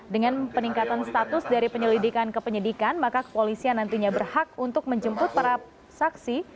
dengan peningkatan status dari penyelidikan ke penyidikan maka kepolisian nantinya berhak untuk menjemput para saksi